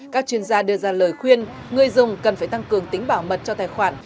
các chuyên gia đưa ra lời khuyên người dùng cần phải tăng cường tính bảo mật cho tài khoản